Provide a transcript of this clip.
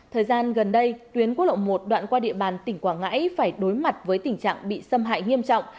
thời gian gần đây tuyến quốc lộ một đoạn qua địa bàn tỉnh quảng ngãi phải đối mặt với tình trạng bị xâm hại nghiêm trọng